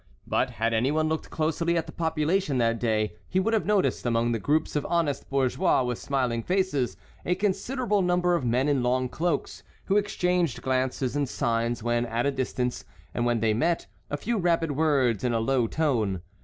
But had any one looked closely at the population that day, he would have noticed, among the groups of honest bourgeois with smiling faces, a considerable number of men in long cloaks, who exchanged glances and signs when at a distance, and when they met, a few rapid words in a low tone.